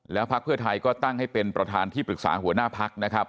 พักเพื่อไทยก็ตั้งให้เป็นประธานที่ปรึกษาหัวหน้าพักนะครับ